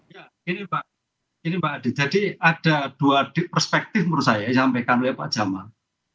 ya ini mbak ini mbak adi jadi ada dua perspektif menurut saya yang disampaikan oleh pak jamal